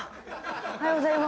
おはようございます。